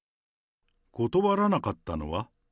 断らなかったのは？